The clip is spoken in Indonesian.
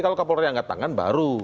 kalau kapolri angkat tangan baru